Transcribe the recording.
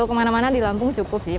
kemana mana di lampung cukup sih